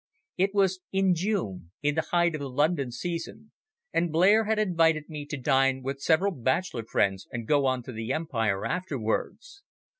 It was in June, in the height of the London season, and Blair had invited me to dine with several bachelor friends and go to the Empire afterwards.